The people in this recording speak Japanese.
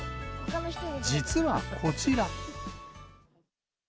実はこちら。